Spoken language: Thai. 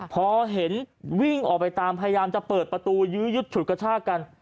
พอเห็นวิ่งออกไปตามพยายามจะเปิดประตูยื้อยุดฉุดกระชากกัน